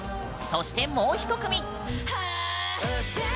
そしてもう一組！